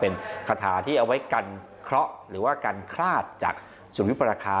เป็นคาถาที่เอาไว้กันเคราะห์หรือว่ากันคลาดจากสุริยุปราคา